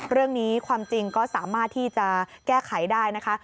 เรื่องนี้ความจริงก็สามารถที่จะแก้ไขได้นะคะ